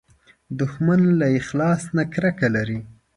دښمن له اخلاص نه کرکه لري